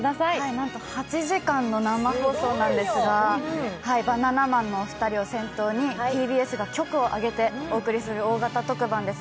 なんと８時間の生放送なんですがバナナマンのお二人を先頭にＴＢＳが局を挙げてお送りする大型特番です。